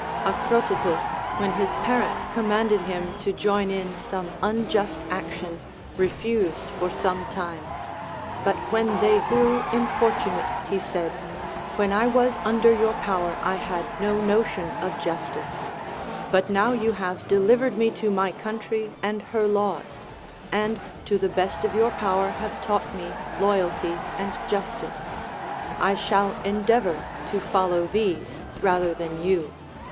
Acrotatus, when his parents commanded him to join in some unjust action, refused for some time ; but when they grew importunate, he said : When I was under your power I had no notion of justice, but now you have dehvered me to my country and her laws, and to the best of your power have taught me loyalty and justice, I shall endeavor to fol low these rather than you.